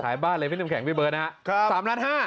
ขายบ้านเลยพี่น้ำแข็งพี่เบิร์นครับครับสามล้านห้า